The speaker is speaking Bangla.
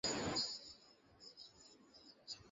আমার বসতির লোকেরা তোমাকে এই নাম দিয়েছে।